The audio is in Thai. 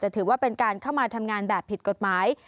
ถือว่าเป็นการเข้ามาทำงานแบบผิดกฎหมาย